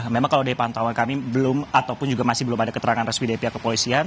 memang kalau dari pantauan kami belum ataupun juga masih belum ada keterangan resmi dari pihak kepolisian